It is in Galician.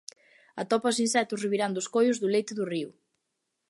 Atopa os insectos revirando os coios do leito do río.